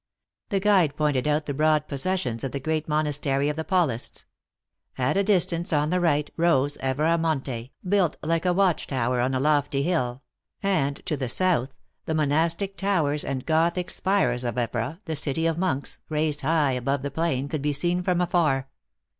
The guide pointed out the broad possessions of the great monastery of the Paulists. At a distance, on the right, rose Evora Monte, built like a watch tower on a lofty hill ; and, to the south, the monastic towers and Gothic spires of Evora, the city of monks, raised high above the plain, could be seen from alar.